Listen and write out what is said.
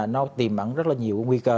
nó tìm ẩn rất là nhiều nguy cơ